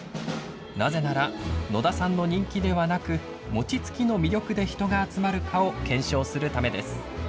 なぜなら野田さんの人気ではなく餅つきの魅力で人が集まるかを検証するためです。